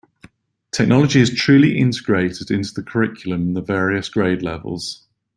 Technology is truly integrated into the curriculum in the various grade levels.